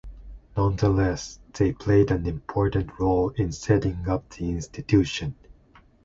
Nonetheless, they played an important role in setting up the institution.